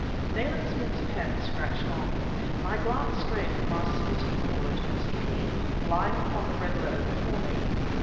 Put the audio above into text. Nayland Smith's pen scratched on. My glance strayed from our Semitic caller to his cane, lying upon the red leather before me.